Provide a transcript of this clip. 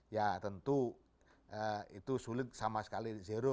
ya tentu itu sulit sama sekali zero